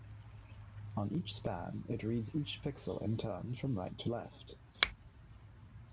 On each span, it reads each pixel in turn from right to left.